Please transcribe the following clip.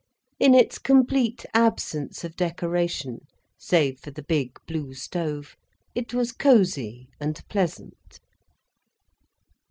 In its complete absence of decoration, save for the big, blue stove, it was cosy and pleasant.